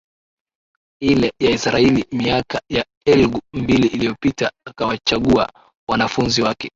ile ya Israeli miaka ya elgu mbili iliyopita Akawachagua wanafunzi wake